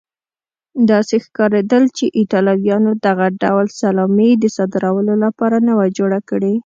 داسې ښکارېدل چې ایټالویانو دغه ډول سلامي د صادرولو لپاره نه وه جوړه کړې.